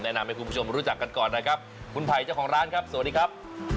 แนะนำให้คุณผู้ชมรู้จักกันก่อนนะครับคุณไผ่เจ้าของร้านครับสวัสดีครับ